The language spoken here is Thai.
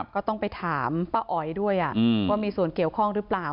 ก็ต้องไปถามป้าอ๋อยด้วยว่ามีส่วนเกี่ยวข้องหรือเปล่า